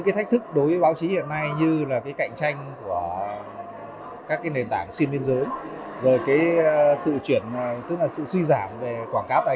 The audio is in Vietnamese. các cơ quan báo chí vấn đề về đạo đức nghề nghiệp tính chuyên nghiệp của những người làm báo